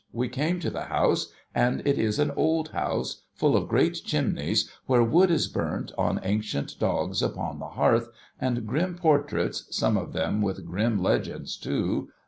We came to the house, and it is an old house, full of great chimneys where wood is burnt on ancient dogs upon the hearth, and grim portraits (some of them with grim legends, too)